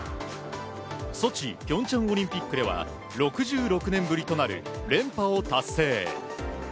ソチ、平昌オリンピックでは６６年ぶりとなる連覇を達成。